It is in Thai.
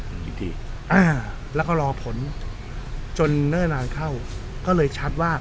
อืมจริงที่อ่าแล้วก็รอผลจนเนื่อนไหลเข้าก็เลยชัดว่า